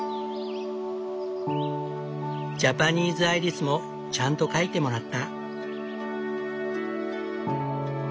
ジャパニーズアイリスもちゃんと描いてもらった。